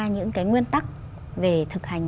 những cái nguyên tắc về thực hành